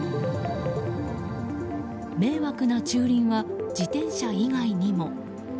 迷惑な駐輪は自転車以外にも。